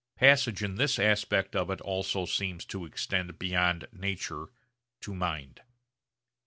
Passage in this aspect of it also seems to extend beyond nature to mind.